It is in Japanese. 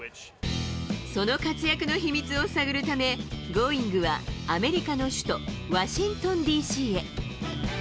その活躍の秘密を探るため、Ｇｏｉｎｇ！はアメリカの首都ワシントンＤＣへ。